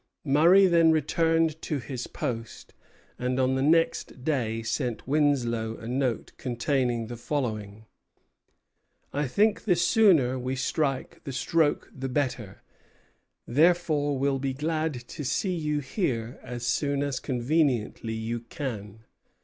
Murray then returned to his post, and on the next day sent Winslow a note containing the following: "I think the sooner we strike the stroke the better, therefore will be glad to see you here as soon as conveniently you can.